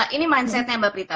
ini mindsetnya mbak prita